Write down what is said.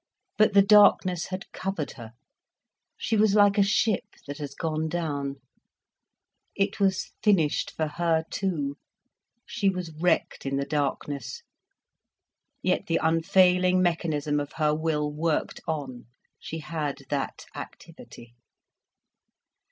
But the darkness had covered her, she was like a ship that has gone down. It was finished for her too, she was wrecked in the darkness. Yet the unfailing mechanism of her will worked on, she had that activity.